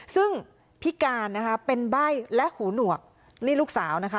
ซึ่งพิการนะคะเป็นใบ้และหูหนวกนี่ลูกสาวนะคะ